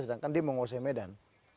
sedangkan dia menguasai medan